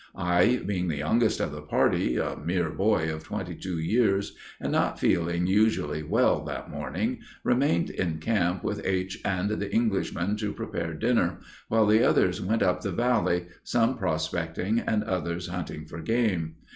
I, being the youngest of the party, a mere boy of twenty two years, and not feeling usually well that morning, remained in camp with Aich and the Englishman to prepare dinner, while the others went up the Valley, some prospecting, and others hunting for game.